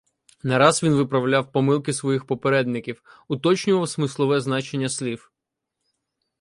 Не раз він виправляв помилки своїх попередників, уточнював смислове значення слів.